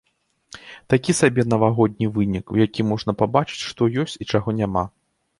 Такі сабе навагодні вынік, у якім можна пабачыць, што ёсць і чаго няма.